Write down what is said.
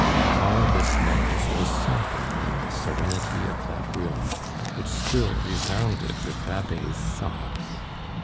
All this noise was softened in the serenity of that room, which still resounded with Babet's sobs.